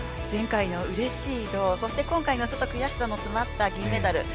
前回のうれしいとそして今回の少し悔しさのある銀メダル。